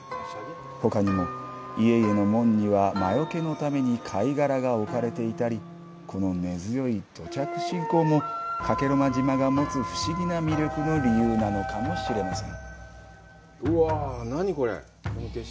ほかにも、家々の門には魔除けのために貝殻が置かれていたりこの根強い土着信仰も加計呂麻島が持つ不思議な魅力の理由なのかもしれません。